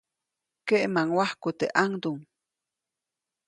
Keʼmaŋwajku teʼ ʼaŋduŋ.